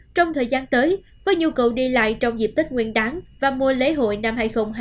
trong thời gian tới với nhu cầu đi lại trong dịp tết nguyên đáng và mùa lễ hội năm hai nghìn hai mươi bốn